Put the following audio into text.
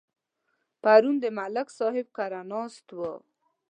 پرون د ملک صاحب کره ناست وو.